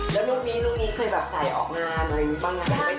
แล้วลูกนี้ลูกนี้เคยแบบใส่ออกมามั้ยบ้างไง